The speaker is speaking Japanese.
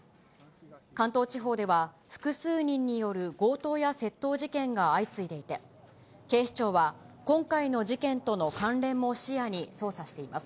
関東地方では、複数人による強盗や窃盗事件が相次いでいて、警視庁は今回の事件との関連も視野に捜査しています。